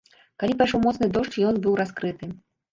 Калі пайшоў моцны дождж, ён быў раскрыты.